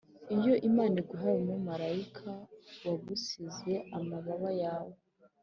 iyo imana iguhaye umumarayika, wagusize amababa yawe.